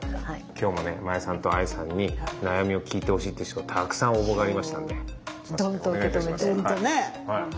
今日もね真矢さんとＡＩさんに悩みを聞いてほしいっていう人からたくさん応募がありましたので。